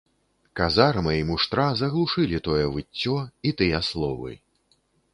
Казарма і муштра заглушылі тое выццё і тыя словы.